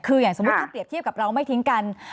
คืออย่างสมมุติถ้าเปรียบเทียบกับเราไม่ทิ้งกัน